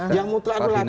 yang mutlak itu laturan